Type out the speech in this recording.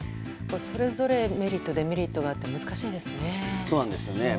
それぞれメリット、デメリットがあって難しいですね。